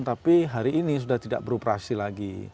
tapi hari ini sudah tidak beroperasi lagi